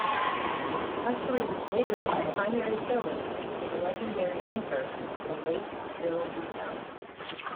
Ushery was later named primary fill-in for the legendary anchor, the late Bill Beutel.